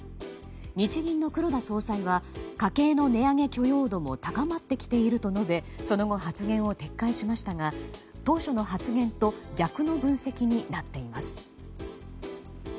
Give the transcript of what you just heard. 日銀の黒田総裁は家計の値上げ許容度も高まってきていると述べその後、発言を撤回しましたが当初の発言と逆の分析になっています。